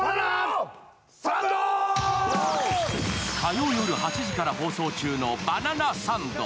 火曜夜８時から放送中の「バナナサンド」。